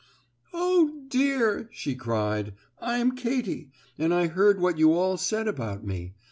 "Oh, dear!" she cried. "I'm Katy, and I heard what you all said about me.